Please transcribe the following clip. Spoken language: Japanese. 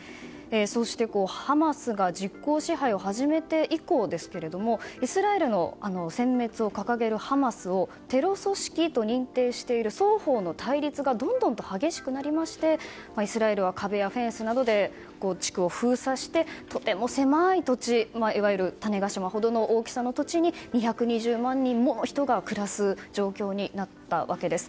そして、ハマスが実効支配を始めて以降イスラエルの殲滅を掲げるハマスをテロ組織と認定している双方の対立がどんどんと激しくなりましてイスラエルは壁やフェンスなどで地区を封鎖して、とても狭い土地いわゆる種子島ほどの大きさの土地に２２０万人もの人が暮らす状況になったわけです。